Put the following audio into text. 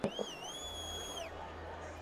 Ez gehiegi hitz egin, nahi ez bada huts egin.